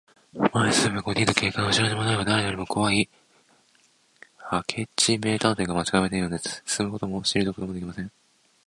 前に進めば五人の警官、うしろにもどれば、だれよりもこわい明智名探偵が待ちかまえているのです。進むこともしりぞくこともできません。